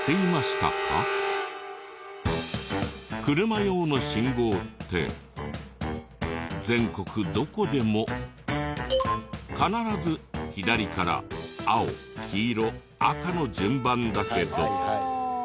車用の信号って全国どこでも必ず左から青黄色赤の順番だけど。